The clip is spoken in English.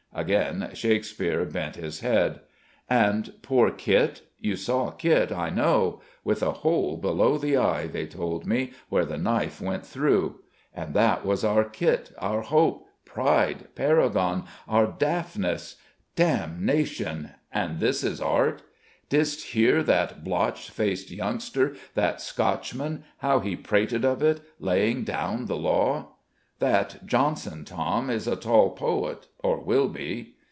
Again Shakespeare bent his head. "And poor Kit? You saw Kit, I know ... with a hole below the eye, they told me, where the knife went through. And that was our Kit, our hope, pride, paragon, our Daphnis. Damnation, and this is art! Didst hear that blotch faced youngster, that Scotchman, how he prated of it, laying down the law?" "That Jonson, Tom, is a tall poet, or will be."